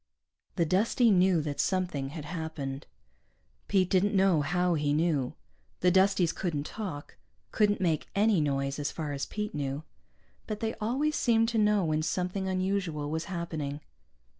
The Dustie knew that something had happened. Pete didn't know how he knew. The Dusties couldn't talk, couldn't make any noise, as far as Pete knew. But they always seemed to know when something unusual was happening.